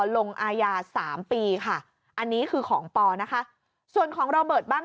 ลงอายาสามปีค่ะอันนี้คือของปอนะคะส่วนของระเบิดบ้าง